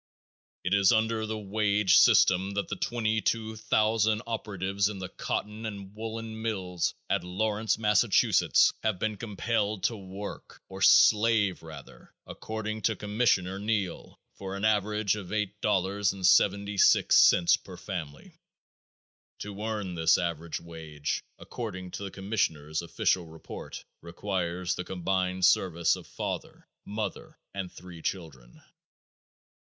It is under the wage system that the 22,000 operatives in the cotton and woolen mills at Lawrence, Massachusetts, have been compelled to work, or slave rather, according to Commissioner Neill, for an average of $8.76 per family. To earn this average wage, according to the commissioner's official report, requires the combined service of father, mother and three children.